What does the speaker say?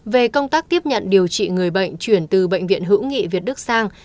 về công tác tiếp nhận điều trị người bệnh chuyển từ bệnh viện hữu nghị việt đức sang